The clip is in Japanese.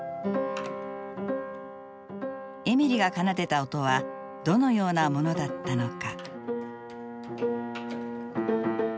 エミリが奏でた音はどのようなものだったのか。